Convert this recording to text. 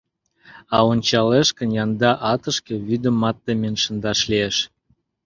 А ончалеш гын, янда атышке вӱдымат темен шындаш лиеш.